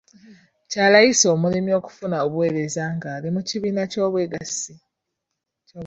Kya layisi omulimi okufuna obuweereza nga ali mu kibiina ky'obwegassi.